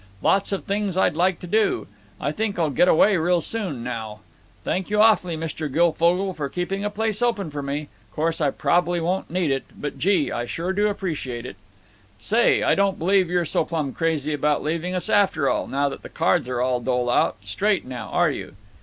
Lots of things I'd like to do. I think I'll get away real soon now…. Thank you awfully, Mr. Guilfogle, for keeping a place open for me. Course I prob'ly won't need it, but gee! I sure do appreciate it." "Say, I don't believe you're so plumb crazy about leaving us, after all, now that the cards are all dole out. Straight now, are you?"